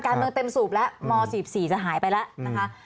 การเมืองเต็มสูบแล้วม๑๔จะหายไปแล้วนะคะ